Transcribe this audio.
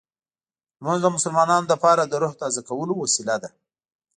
لمونځ د مسلمانانو لپاره د روح تازه کولو وسیله ده.